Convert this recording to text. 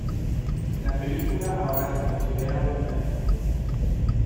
La película ahora se considera un clásico.